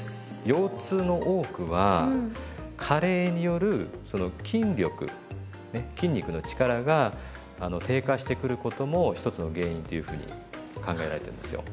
腰痛の多くは加齢によるその筋力ね筋肉の力が低下してくることも一つの原因っていうふうに考えられてるんですよ。